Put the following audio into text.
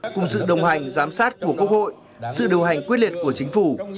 cùng sự đồng hành giám sát của quốc hội sự điều hành quyết liệt của chính phủ